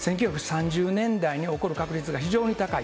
年代に起こる確率が非常に高い。